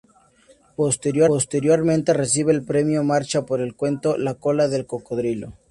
Posteriormente recibe el Premio Marcha por el cuento "La cola del cocodrilo".